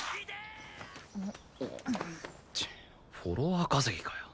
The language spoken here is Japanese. チッフォロワー稼ぎかよ。